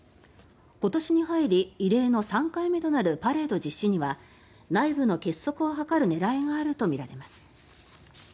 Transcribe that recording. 今年に入り異例の３回目となるパレード実施には内部の結束を図る狙いがあるとみられます。